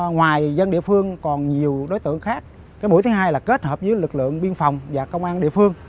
ngoài dân địa phương còn nhiều đối tượng khác cái mũi thứ hai là kết hợp với lực lượng biên phòng và công an địa phương